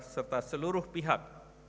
serta seluruh pihak